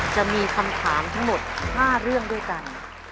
จะมีคำถามทั้งหมด๕เรื่องด้วยกัน